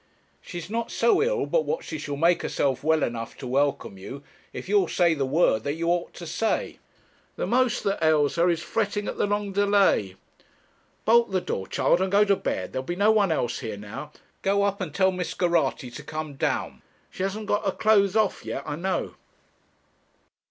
'She's not so ill but what she shall make herself well enough to welcome you, if you'll say the word that you ought to say. The most that ails her is fretting at the long delay. Bolt the door, child, and go to bed; there will be no one else here now. Go up, and tell Miss Geraghty to come down; she hasn't got her clothes off yet, I know.'